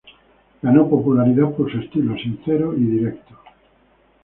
Ganó popularidad por su estilo sincero y directo.